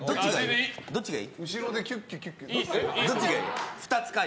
どっちがいい？